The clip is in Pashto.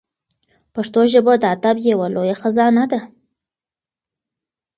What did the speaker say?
پښتو ژبه د ادب یوه لویه خزانه ده.